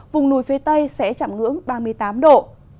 vùng núi phía tây sẽ chạm ngưỡng ba mươi tám độ